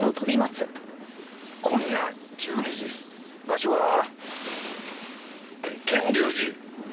今夜１２時場所は賢隆寺。